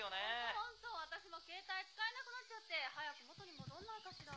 ホント私もケータイ使えなくなっちゃって早く元に戻んないかしら。